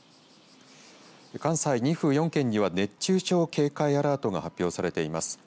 関西２府４県には熱中症警戒アラートが発表されています。